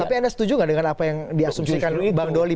tapi anda setuju nggak dengan apa yang diasumsikan bang doli